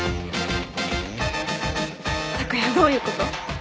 卓也どういうこと？